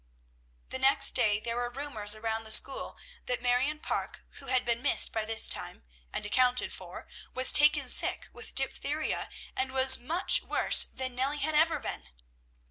The next day there were rumors around the school that Marion Parke, who had been missed by this time, and accounted for, was taken sick with diphtheria, and was much worse than Nellie had ever been.